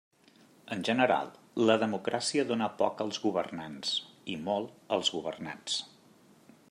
En general, la democràcia dóna poc als governants i molt als governats.